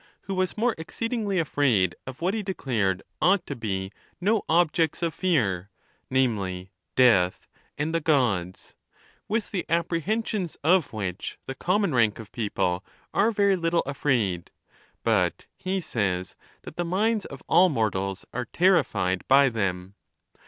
_who was more exceedingly afraid of what he declared ought to be no objects of fear, namely, death and the Gods, with the apprehensions of which the common rank of peo ple are very little affected ; but he says that the minds of all mortals are terrified by them.